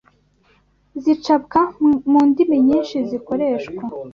zicapwa mu ndimi nyinshi zikoreshwa